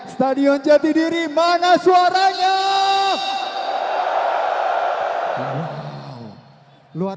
selamat malam bdi perjuangan